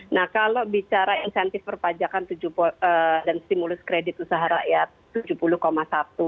nah kalau bicara insentif perpajakan dan stimulus kredit usaha rakyat rp tujuh puluh satu